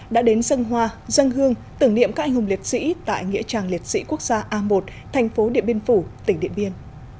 đã đến dân hoa dân hương tưởng niệm các anh hùng liệt sĩ tại nghĩa trang liệt sĩ quốc gia a một thành phố điện biên phủ tỉnh điện biên